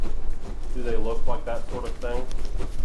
Do they look like that sort of thing?